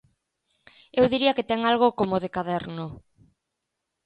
Eu diría que ten algo como de caderno.